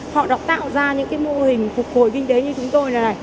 họ đọc tạo ra những mô hình phục hồi kinh tế như chúng tôi